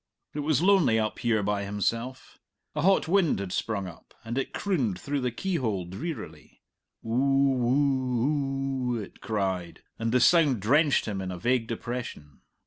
It was lonely up here by himself. A hot wind had sprung up, and it crooned through the keyhole drearily; "oo woo oo," it cried, and the sound drenched him in a vague depression.